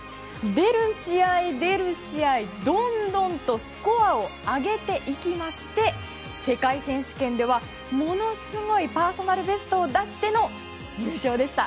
出る試合、出る試合どんどんとスコアを上げていきまして世界選手権ではものすごいパーソナルベストを出しての優勝でした。